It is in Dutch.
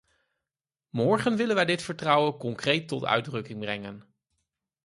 Morgen willen wij dit vertrouwen concreet tot uitdrukking brengen.